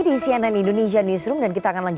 di cnn indonesian newsroom